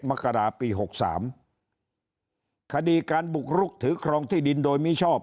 มกราปีหกสามคดีการบุกรุกถือครองที่ดินโดยมิชอบ